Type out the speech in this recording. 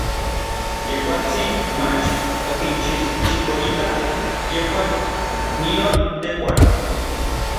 Yejuatsin mach okinchijchikoitak yejuan nion tejuan.